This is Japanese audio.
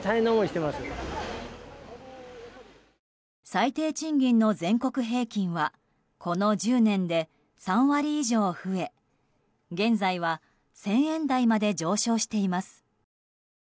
最低賃金の全国平均はこの１０年で３割以上増え現在は１０００円台まで上昇しています。